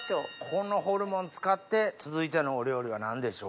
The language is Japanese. このホルモン使って続いてのお料理は何でしょうか？